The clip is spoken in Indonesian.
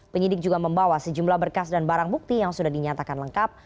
penyidik juga membawa sejumlah berkas dan barang bukti yang sudah dinyatakan lengkap